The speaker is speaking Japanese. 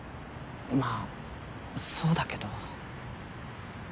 まあそうだけど。